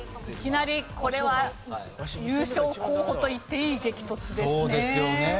いきなりこれは優勝候補と言っていい激突ですね。